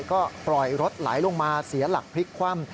ก็ปล่อยรถไหลลงมาเสียหลักพลิกคว่ำ